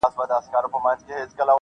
اوري له خیبره تر کنړه شپېلۍ څه وايي -